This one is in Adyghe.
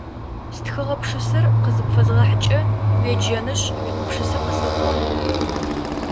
Стхыгъэ пшысэр къызыпфэзгъэхьыкӀэ уеджэнышъ уигупшысэ къысэпӀона?